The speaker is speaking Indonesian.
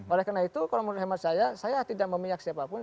oleh karena itu kalau menurut hemat saya saya tidak memihak siapapun